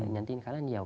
nhắn tin khá là nhiều